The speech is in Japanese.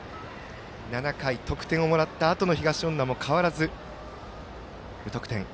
７回、得点をもらったあとの東恩納も変わらず、無得点。